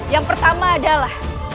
yang pertama adalah